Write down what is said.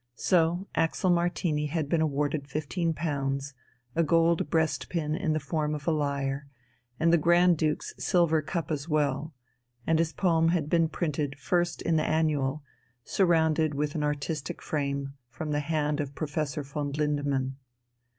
So Axel Martini had been awarded fifteen pounds, a gold breast pin in the form of a lyre, and the Grand Duke's silver cup as well, and his poem had been printed first in the annual, surrounded with an artistic frame from the hand of Professor von Lindemann.